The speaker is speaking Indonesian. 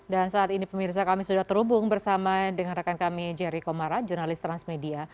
dan saat ini pemirsa kami sudah terhubung bersama dengan rekan kami jerry komara jurnalis transmedia